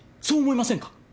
そう思いませんか？